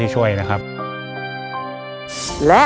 คุณฝนจากชายบรรยาย